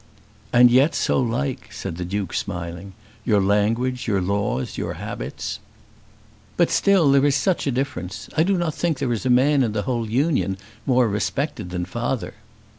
"And yet so like," said the Duke, smiling; "your language, your laws, your habits!" "But still there is such a difference! I do not think there is a man in the whole Union more respected than father."